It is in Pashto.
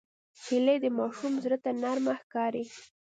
هیلۍ د ماشوم زړه ته نرمه ښکاري